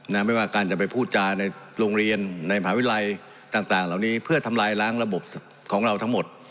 ไม่ว่าการจะไปพูดจาในโรงเรียนในมหาวิทยาลัยต่างต่างเหล่านี้เพื่อทำลายล้างระบบของเราทั้งหมด